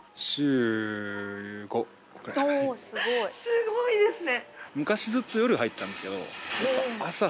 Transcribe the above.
すごいですね。